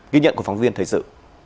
ghi nhận của phóng viên thời sự